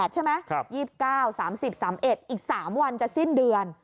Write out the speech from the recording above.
ใช่ไหม๒๙๓๐๓๑อีก๓วันจะสิ้นเดือน